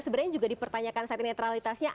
sebenarnya juga di pertanyakan saat netralitasnya